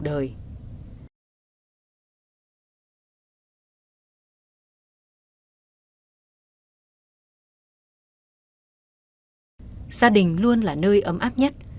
gia đình luôn là nơi ấm áp nhất